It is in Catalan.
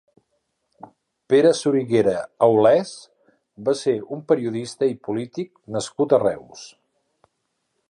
Pere Soriguera Aulès va ser un periodista i polític nascut a Reus.